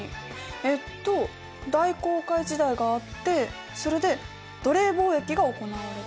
えっと大航海時代があってそれで奴隷貿易が行われて。